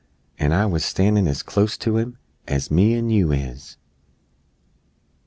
An' I wuz a standin' as clost to 'em As me an' you is!